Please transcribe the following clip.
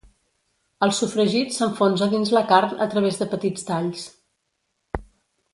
El sofregit s'enfonsa dins la carn a través de petits talls.